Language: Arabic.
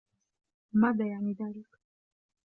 ماذا يعني ذلك ؟